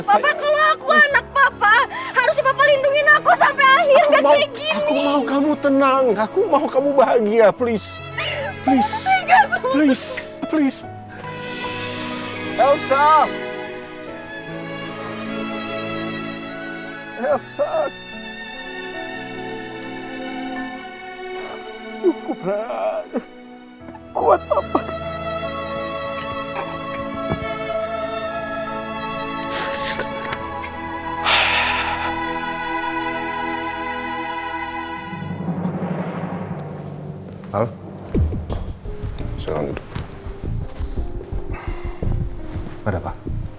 bapak kalau aku anak papa